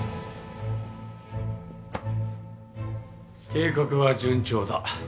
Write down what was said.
計画は順調だ。